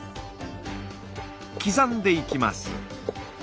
刻んでいきます。